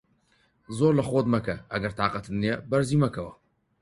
زۆر لە خۆت مەکە، ئەگەر تاقەتت نییە بەرزی مەکەوە.